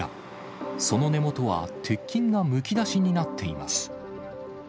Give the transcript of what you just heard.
その根元は、鉄筋がむき出しになっています。